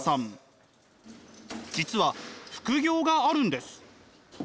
実は副業があるんです。